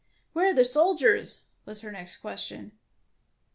Where are the soldiers I " was her next question.